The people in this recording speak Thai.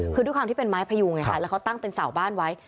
คือด้วยความที่เป็นไม้พยุงไงค่ะแล้วเขาตั้งเป็นเสาบ้านไว้